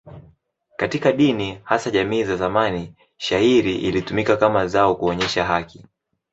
Katika dini, hasa jamii za zamani, shayiri ilitumika kama zao kuonyesha haki.